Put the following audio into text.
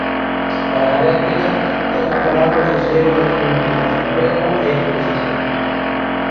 Para a réplica ten a palabra o conselleiro de Economía, Emprego e Industria.